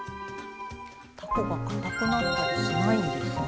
たこがかたくなったりしないんですね。